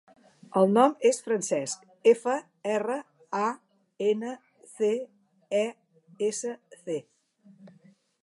El nom és Francesc: efa, erra, a, ena, ce, e, essa, ce.